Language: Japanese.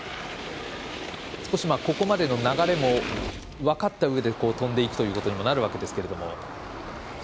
少しここまでの流れも分かったうえで飛んでいくということにもなるわけですけど。